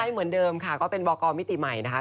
เหมือนเดิมค่ะก็เป็นวกรมิติใหม่นะคะ